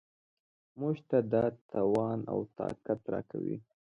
موږ ته دا توان او طاقت راکوي.